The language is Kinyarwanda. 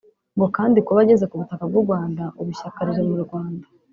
ngo kandi kuba ageze ku butaka bw’u Rwanda ubu ishyaka riri mu Rwanda